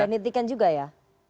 tidak dihentikan juga ya